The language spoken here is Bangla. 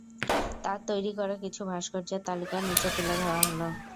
তার তৈরি করা কিছু ভাস্কর্যের তালিকা নিচে তুলে ধরা হলো।